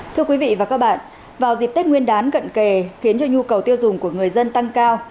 thưa quý vị và các bạn vào dịp tết nguyên đán cận kề khiến cho nhu cầu tiêu dùng của người dân tăng cao